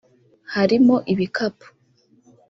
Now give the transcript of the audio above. harimo ibikapu